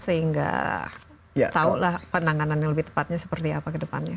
sehingga tahulah penanganan yang lebih tepatnya seperti apa ke depannya